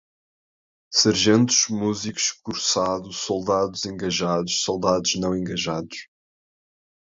Sargentos músicos, cursado, soldados engajados, soldados não engajados